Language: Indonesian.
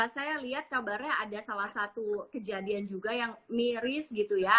saya lihat kabarnya ada salah satu kejadian juga yang miris gitu ya